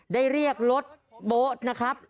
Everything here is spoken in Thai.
ได้เรียกรถโบ๊ทนะครับ